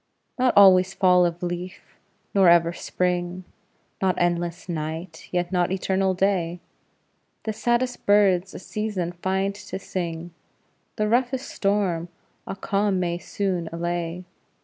Not always fall of leaf, nor ever Spring; Not endless night, yet not eternal day; The saddest birds a season find to sing; The roughest storm a calm may soon allay.